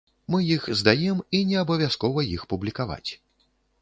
Мы іх здаем, і неабавязкова іх публікаваць.